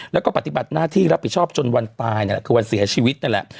แล้วก็ปฏิบัติหน้าที่รับผิดชอบจนวันตายนั่นแหละคือวันเสียชีวิตนั่นแหละ